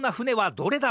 どれだ？